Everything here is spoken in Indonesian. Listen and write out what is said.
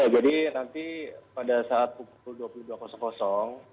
ya jadi nanti pada saat pukul dua puluh dua